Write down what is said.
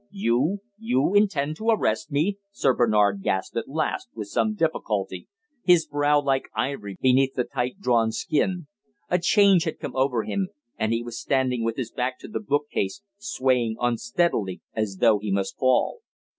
"You you intend to arrest me?" Sir Bernard gasped at last, with some difficulty, his brow like ivory beneath the tight drawn skin. A change had come over him, and he was standing with his back to a bookcase, swaying unsteadily as though he must fall.